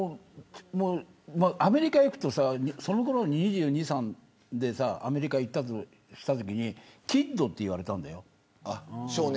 アメリカに行くとそのころは、２２２３歳でアメリカ行ったとしたときにキッドって言われたんだよ。